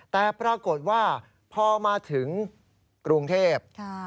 แต่ปรากฏว่าพอมาถึงกรุงเทพ